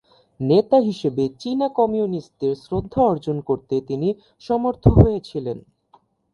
নেতা হিসেবে চীনা কমিউনিস্টদের শ্রদ্ধা অর্জন করতে তিনি সমর্থ হয়েছিলেন।